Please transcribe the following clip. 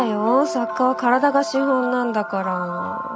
作家は体が資本なんだから。